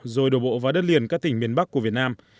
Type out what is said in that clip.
rồi đổ bộ vào đất liền các tỉnh miền bắc của việt nam